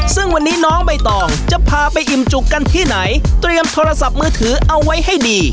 ซึ่งวันนี้น้องใบตองจะพาไปอิ่มจุกกันที่ไหนเตรียมโทรศัพท์มือถือเอาไว้ให้ดี